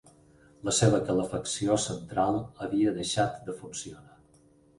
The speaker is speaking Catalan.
La seva calefacció central havia deixat de funcionar.